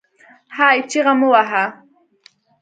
هې ! چیغې مه واهه